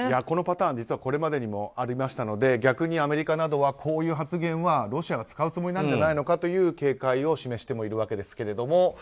このパターン実はこれまでにもありましたので逆にアメリカなどはこういう発言はロシアが使うつもりじゃないかという警戒を示してもいるわけですけれども。